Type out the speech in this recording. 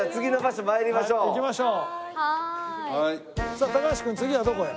さあ高橋君次はどこへ？